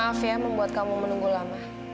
maaf ya membuat kamu menunggu lama